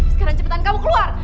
sekarang cepetan kamu keluar